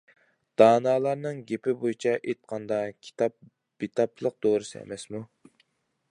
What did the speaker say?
دانالارنىڭ گېپى بويىچە ئېيتقاندا، كىتاب بىتاپلىق دورىسى ئەمەسمۇ.